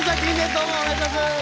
どうもお願いします。